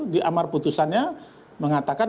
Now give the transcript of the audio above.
di amar putusannya mengatakan